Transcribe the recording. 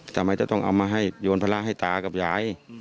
ทำไมจะต้องเอามาให้โยนภาระให้ตากับยาย